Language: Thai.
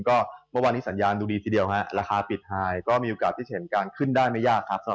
ก็มีอัพไซช์ขึ้นไปค่อนข้างเยอะกับการ